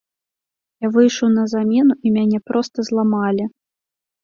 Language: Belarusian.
Я выйшаў на замену, і мяне проста зламалі.